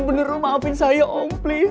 beneran maafin saya om please